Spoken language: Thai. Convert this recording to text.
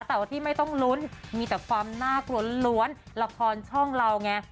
แต่ว่าที่ไม่ต้องลุ้นมีแต่ความน่ากลัวล้วนละครช่องเราไง